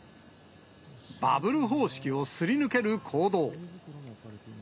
バブル方式をすり抜ける行動。